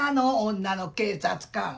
女の警察官。